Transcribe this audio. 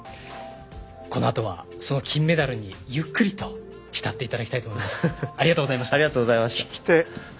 このあとはその金メダルにゆっくりと浸っていただきたいと思います。